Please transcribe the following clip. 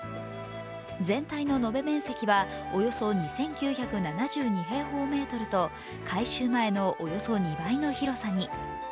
全体の延べ面積はおよそ２９７２平方メートルと、改修前のおよそ２倍の広さに。